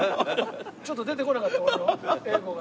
ちょっと出てこなかった俺も英語が。